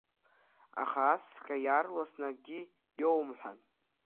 Аха асҵәҟьа иаарласны акгьы иоумҳәан.